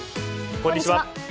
こんにちは。